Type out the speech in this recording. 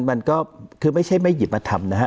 มันก็คือไม่ใช่ไม่หยิบมาทำนะฮะ